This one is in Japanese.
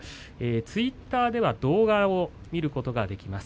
ツイッターでは動画を見ることができます。